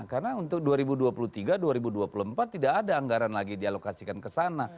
karena untuk dua ribu dua puluh tiga dua ribu dua puluh empat tidak ada anggaran lagi dialokasikan ke sana